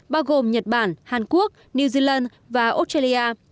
bao gồm nhật bản hàn quốc new zealand và australia